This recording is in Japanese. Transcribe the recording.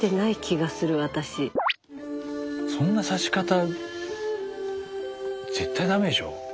そんなさし方絶対ダメでしょ。